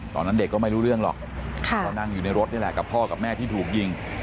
ตอนนั้นเด็กก็ไม่รู้เรื่องหรอกก็นั่งอยู่ในรถนี่แหละกับพ่อกับแม่ที่ถูกยิง